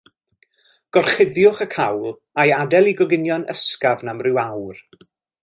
Gorchuddiwch y cawl a'i adael i goginio'n ysgafn am rhyw awr.